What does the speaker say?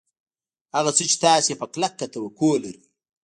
هغه څه چې تاسې یې په کلکه توقع لرئ